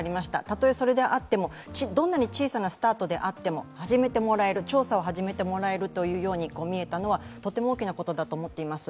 たとえそれであっても、どんなに小さなスタートであっても調査を始めてもらえると見えたのはとても大きなことだと思っています。